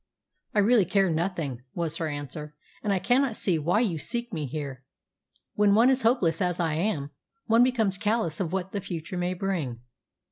"I really care nothing," was her answer. "And I cannot see why you seek me here. When one is hopeless, as I am, one becomes callous of what the future may bring."